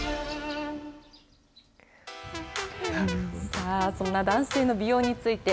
さあ、そんな男性の美容について、